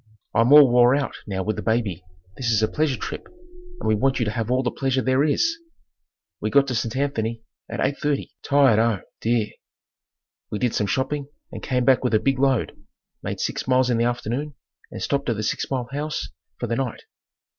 I'm all wore out now with the baby. This is a pleasure trip and we want you to have all the pleasure there is." We got to St. Anthony at eight thirty, tired oh, dear! We did some shopping and came back with a big load; made six miles in the afternoon and stopped at the six mile house for the night.